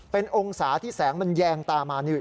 เป็นองศาที่แสงมันแยงตามานี่